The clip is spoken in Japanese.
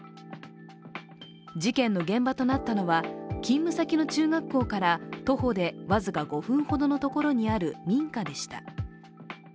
事件の現場となったのは、勤務先の中学校から徒歩で僅か５分ほどのところにある民家でした。